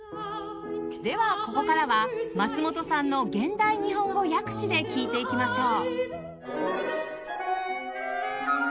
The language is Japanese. ではここからは松本さんの現代日本語訳詞で聴いていきましょう